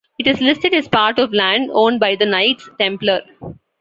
It is listed as part of land owned by the Knights Templar.